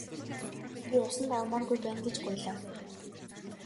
Би усанд ормооргүй байна гэж гуйлаа.